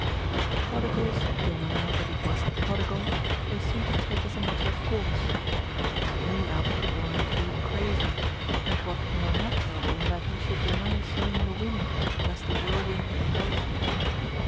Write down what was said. The prodigal's denial that he was the prodigal, they seemed to take as a matter of course. They knew Alfred Warren to be a craven, and what more natural than that he should deny sowing the wind, lest the whirlwind engulf him.